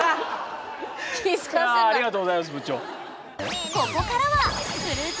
いやあありがとうございます部長。